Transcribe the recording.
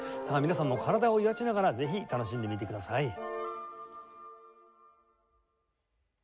さあ皆さんも体を揺らしながらぜひ楽しんでみてください。